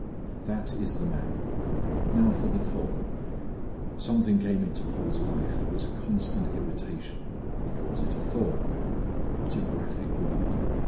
That is the man. Now for the thorn. Something came into Paul's life that was a constant irritation. He calls it a thorn. What a graphic word!